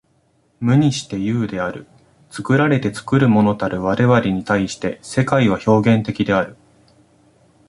無にして有である。作られて作るものたる我々に対して、世界は表現的である。